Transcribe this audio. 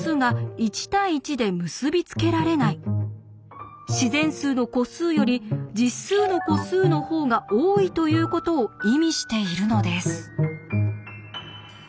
つまり「自然数の個数より実数の個数の方が多い」ということを意味しているのです。